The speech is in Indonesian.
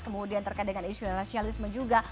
kemudian terkait dengan isu rasialisme juga